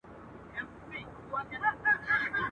جادو ګر کړلې نارې ویل یې خدایه.